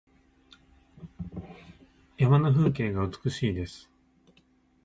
山の風景が美しいです。